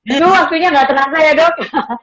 itu waktunya nggak terasa ya dok